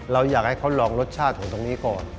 เราอยากให้เขาลองรสชาติของตรงนี้ก่อน